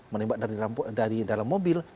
menembak dari dalam mobil